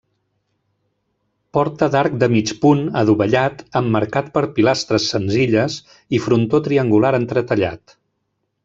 Porta d'arc de mig punt, adovellat, emmarcat per pilastres senzilles i frontó triangular entretallat.